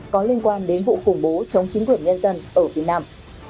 có liên quan đến vụ khủng bố chống chính quyền nhân dân ở việt nam